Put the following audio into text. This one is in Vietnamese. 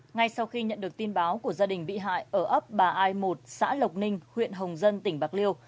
ngay sau khi nhận được tin báo của gia đình bị hại ở ấp bà ai một xã lộc ninh huyện hồng dân tỉnh bạc liêu